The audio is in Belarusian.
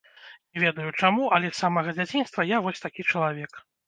Не ведаю, чаму, але з самага дзяцінства я вось такі чалавек.